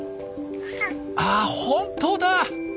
あ本当だ！